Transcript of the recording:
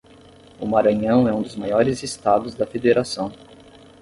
O Maranhão é um dos maiores estados da federação